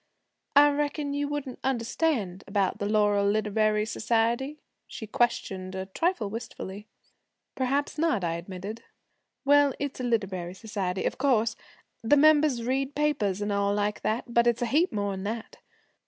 'I reckon you wouldn't understand about the Laurel Literary Society?' she questioned a trifle wistfully. 'Perhaps not,' I admitted. 'Well, it's a literary society, of course. The members read papers, and all like that, but it's a heap more'n that.